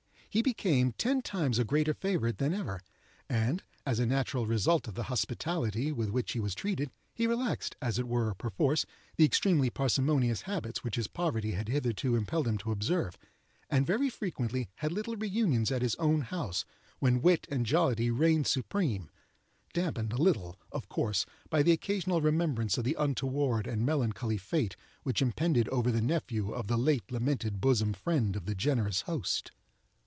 He became ten times a greater favorite than ever, and, as a natural result of the hospitality with which he was treated, he relaxed, as it were, perforce, the extremely parsimonious habits which his poverty had hitherto impelled him to observe, and very frequently had little reunions at his own house, when wit and jollity reigned supreme—dampened a little, of course, by the occasional remembrance of the untoward and melancholy fate which impended over the nephew of the late lamented bosom friend of the generous host.